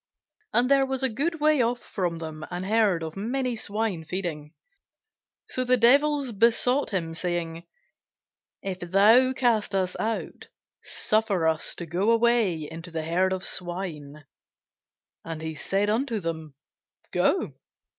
And there was a good way off from them an herd of many swine feeding. So the devils besought him, saying, If thou cast us out, suffer us to go away into the herd of swine. And he said unto them, Go.